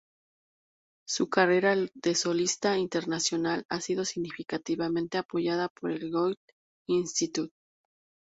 Su carrera de solista internacional ha sido significativamente apoyada por el Goethe-Institut.